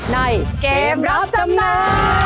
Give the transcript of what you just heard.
ในเกมรับจำนำ